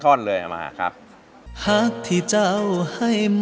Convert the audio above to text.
ขึ้นต้นว่าไงประมาณไหน